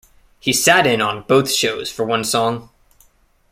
He sat in on both shows for one song.